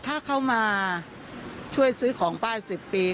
ถ้าเขามาช่วยซื้อของป้าย๑๐ปี